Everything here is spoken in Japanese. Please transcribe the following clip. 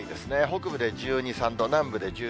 北部で１２、３度、南部で１４、５度。